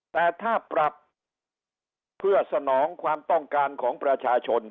แต่ถ้าปรับเพื่อสนองความต้องการของประชาชน